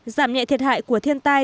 giảm nhẹ thiệt hại của thiên tế